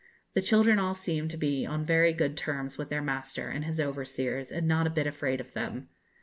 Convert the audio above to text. The children all seemed to be on very good terms with their master and his overseers, and not a bit afraid of them.